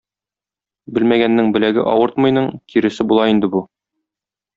"Белмәгәннең беләге авыртмыйның" киресе була инде бу.